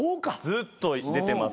ずっと出てます。